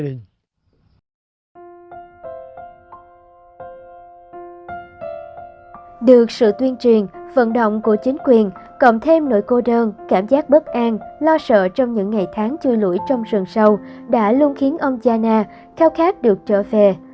được sự tuyên truyền vận động của chính quyền cộng thêm nỗi cô đơn cảm giác bất an lo sợ trong những ngày tháng chưa lũ trong rừng sâu đã luôn khiến ông chana khao khát được trở về